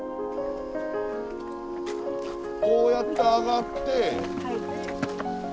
こうやって上がって。